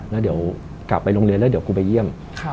แล้วเดี๋ยวกลับไปโรงเรียนแล้วเดี๋ยวกูไปเยี่ยม